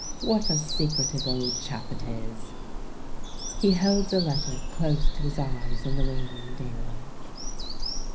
What a secretive old chap it is!" He held the letter close to his eyes in the waning daylight.